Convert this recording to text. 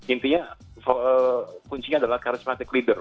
intinya kuncinya adalah karismatik leader